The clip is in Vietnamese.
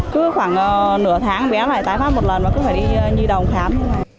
cứ khoảng nửa tháng bé lại tái phát một lần và cứ phải đi nhì đồng khám